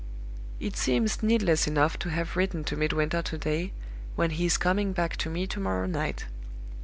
"It seems needless enough to have written to Midwinter to day, when he is coming back to me to morrow night.